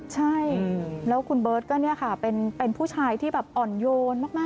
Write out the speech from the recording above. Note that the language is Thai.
ใช่แล้วคุณเบิร์ตก็เป็นผู้ชายที่อ่อนโยนมาก